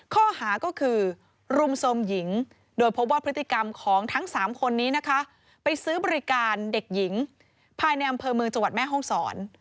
ข้อหาก็คือรุมโทรมหญิงโดยพบว่าพฤติกรรมของทั้ง๓คนนี้นะคะไปซื้อบริการเด็กหญิงภายในอำเภอเมืองจังหวัดแม่ห้องศร